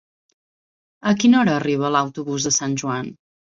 A quina hora arriba l'autobús de Sant Joan?